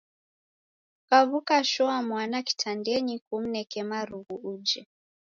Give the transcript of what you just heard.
Kukaw'uka shoa mwana kitandenyi kumneke marughu uje.